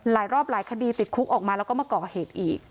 หลายรอบหลายคดีติดคุกออกมาแล้วก็มาก่อเหตุอีก